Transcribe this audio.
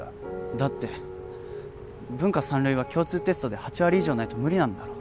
だって文科３類は共通テストで８割以上ないと無理なんだろ？